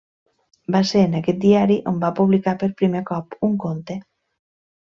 Va ser en aquest diari on va publicar per primer cop un conte.